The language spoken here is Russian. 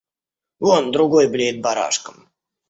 Вон другой блеет барашком.